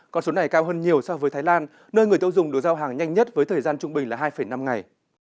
con số này cao hơn nhiều so với thái lan nơi người tiêu dùng được giao hàng nhanh nhất với thời gian trung bình là hai năm ngày